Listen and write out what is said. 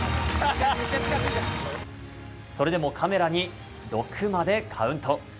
それでも、カメラに６までカウント。